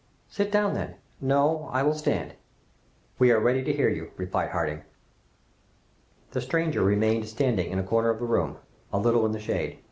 "Sit down, then." "No, I will stand." "We are ready to hear you," replied Harding. The stranger remained standing in a corner of the room, a little in the shade.